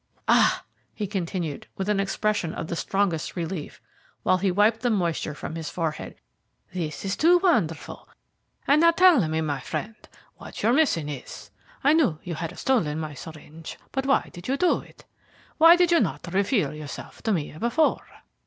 "Ah!" he continued, with an expression of the strongest relief, while he wiped the moisture from his forehead. "This is too wonderful. And now tell me, my friend, what your mission is? I knew you had stolen my syringe, but why did you do it? Why did you not reveal yourself to me before?